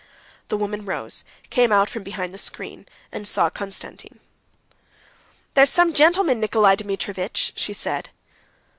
The woman rose, came out from behind the screen, and saw Konstantin. "There's some gentleman, Nikolay Dmitrievitch," she said.